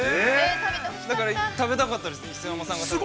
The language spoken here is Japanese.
だから、食べたかったです磯山さんが食べたの。